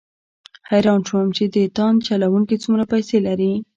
حیران شوم چې د تاند چلوونکي څومره پیسې لري.